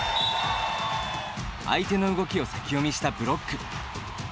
相手の動きを先読みしたブロック。